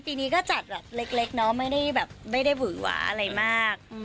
ปีนี้ก็จัดแบบเล็กเนาะไม่ได้แบบไม่ได้หวือหวาอะไรมาก